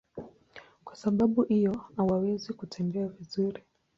Kwa sababu hiyo hawawezi kutembea vizuri.